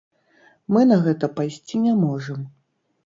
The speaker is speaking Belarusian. Мы на гэта пайсці не можам.